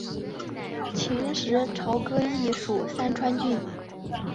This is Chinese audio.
秦时朝歌邑属三川郡。